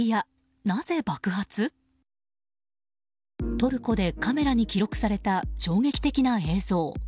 トルコでカメラに記録された衝撃的な映像。